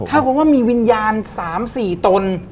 ถ้าเขาว่ามีวิญญาณ๓๔ตน